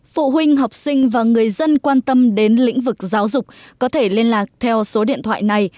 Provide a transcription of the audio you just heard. phụ huynh học sinh và người dân quan tâm đến lĩnh vực giáo dục có thể liên lạc theo số điện thoại này